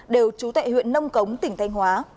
đều chú tại huyện nông cống tỉnh thanh hóa